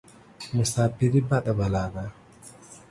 مساپرى بده بلا ده.